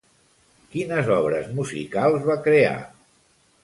Quines obres musicals va crear?